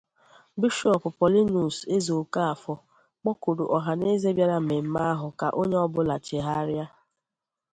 Bishọọpụ Paulinus Ezeokafor kpọkùrù ọhaneze bịara mmemme ahụ ka onye ọbụla chègharịa